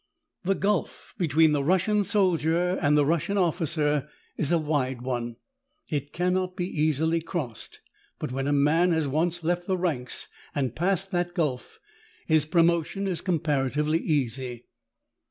The gulf between the Russian soldier and the Russian officer is a wide one ; it cannot be easily crossed ; but when a man has once left the ranks and passed the gulf, his promotion is compara tively easy.